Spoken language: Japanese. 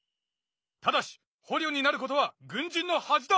ただし捕虜になることは軍人の恥だ！